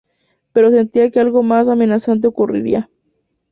Pero sentía que algo más amenazante ocurriría.